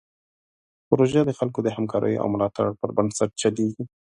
پروژه د خلکو د همکاریو او ملاتړ پر بنسټ چلیږي.